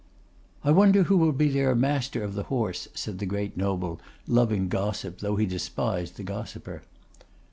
'I wonder who will be their Master of the Horse,' said the great noble, loving gossip though he despised the gossiper.